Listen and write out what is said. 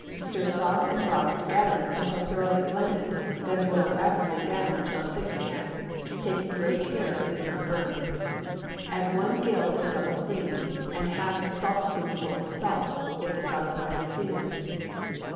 Stir sauce and broth together until thoroughly blended, then boil rapidly down till thick again, taking great care it does not burn. Add one gill of double cream, and half a saltspoonful of salt (if the stock was already seasoned).